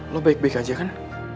lo baik baik aja kan